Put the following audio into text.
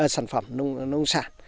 sản phẩm nông sản